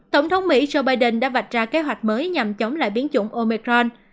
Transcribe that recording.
tổng thống mỹ joe biden đã vạch ra kế hoạch mới nhằm chống lại biến chủng omicron